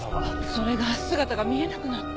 それが姿が見えなくなって。